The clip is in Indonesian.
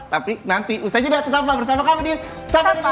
tapi nanti usah aja deh tetap bersama kami di sampai jumpa